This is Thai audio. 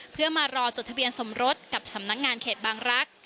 เพื่อมารอจดทะเบียนสมรสกับสำนักงานเขตบางรักษ์